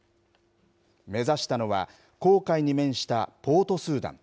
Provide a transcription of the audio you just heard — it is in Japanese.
目指したのは、紅海に面したポートスーダン。